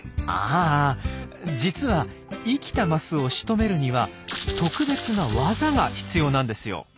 あ実は生きたマスをしとめるには特別な技が必要なんですよ。